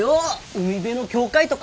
海辺の教会とか！